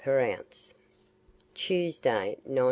per ounce. TUESDAY, 19.